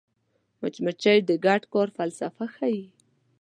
مچمچۍ د ګډ کار فلسفه ښيي